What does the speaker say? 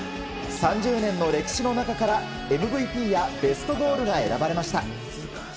３０年の歴史の中からＭＶＰやベストゴールが選ばれました。